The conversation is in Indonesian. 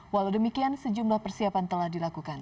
walau demikian sejumlah persiapan telah dilakukan